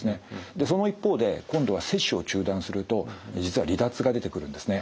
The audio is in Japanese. でその一方で今度は摂取を中断すると実は離脱が出てくるんですね。